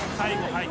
はい。